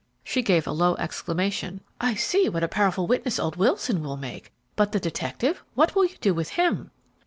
She gave a low exclamation. "I see what a powerful witness old Wilson will make; but the detective, what will you do with him?"